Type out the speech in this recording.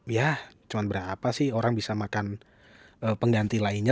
ya cuma berapa sih orang bisa makan pengganti lainnya